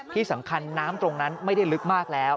ที่สำคัญน้ำตรงนั้นไม่ได้ลึกมากแล้ว